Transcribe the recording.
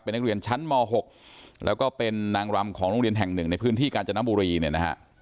นักเรียนชั้นม๖แล้วก็เป็นนางรำของโรงเรียนแห่งหนึ่งในพื้นที่กาญจนบุรีเนี่ยนะฮะ